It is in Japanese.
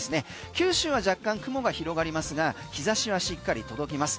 九州は若干、雲が広がりますが日差しはしっかり届きます。